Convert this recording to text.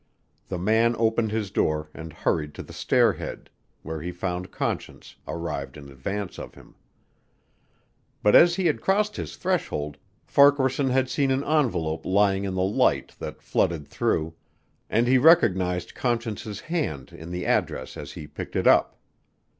The man opened his door and hurried to the stairhead, where he found Conscience, arrived in advance of him. But as he had crossed his threshold Farquaharson had seen an envelope lying in the light that flooded through, and he recognized Conscience's hand in the address as he picked it up.